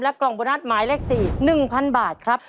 กล่องโบนัสหมายเลข๔๑๐๐๐บาทครับ